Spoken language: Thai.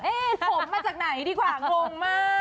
ผมมาจากไหนดีกว่างงมาก